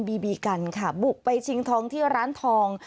บีบีกันค่ะบุกไปชิงทองที่ร้านทอง